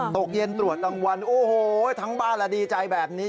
ตกเย็นตรวจรางวัลโอ้โหทั้งบ้านและดีใจแบบนี้